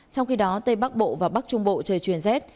trong khi đó tây bắc bộ và bắc trung bộ trời chuyển rét